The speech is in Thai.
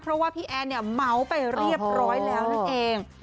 เพราะว่าพี่แอนเนี่ยเมาส์ไปเรียบร้อยแล้วนั่นเอง